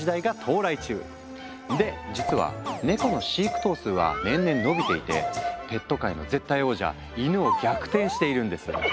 で実はネコの飼育頭数は年々伸びていてペット界の絶対王者イヌを逆転しているんです。